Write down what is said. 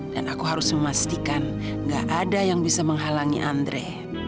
dan aku harus memastikan nggak ada yang bisa menghalangi andre